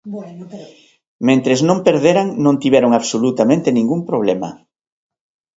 Mentres non o perderan non tiveron absolutamente ningún problema.